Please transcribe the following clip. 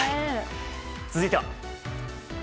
続いては。